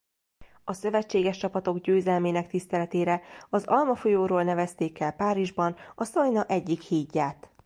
A szövetséges csapatok győzelmének tiszteletére az Alma-folyóról nevezték el Párizsban a Szajna egyik hídját.